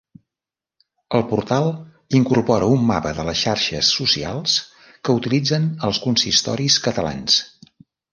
El portal incorpora un mapa de les xarxes socials que utilitzen els consistoris catalans.